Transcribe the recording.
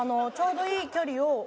ちょうどいい距離を。